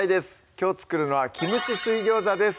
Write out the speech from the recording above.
きょう作るのは「キムチ水餃子」です